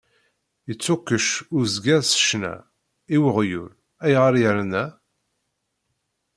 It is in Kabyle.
Yeṭṭukkek uzger s ccna; i weɣyul, ayɣer yerna?